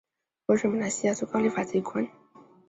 国会是马来西亚最高立法机关。